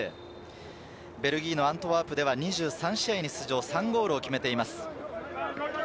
ベルギーのアントワープでは２３試合に出場、ゴールも決めています。